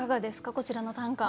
こちらの短歌。